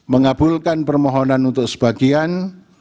mengabulkan permohonan untuk sebagian